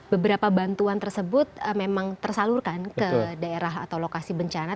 beberapa bantuan tersebut memang tersalurkan ke daerah atau lokasi bencana